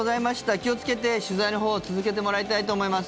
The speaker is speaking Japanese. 気をつけて取材のほう続けてもらいたいと思います。